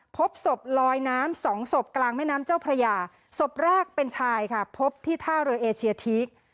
พบศพลอยน้ำสองศพกลางแม่น้ำเจ้าพระยาศพแรกเป็นชายค่ะพบที่ท่าเรือเอเชียทีก